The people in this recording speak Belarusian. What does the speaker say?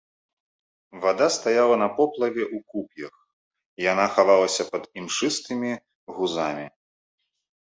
Вада стаяла на поплаве ў куп'ях, яна хавалася пад імшыстымі гузамі.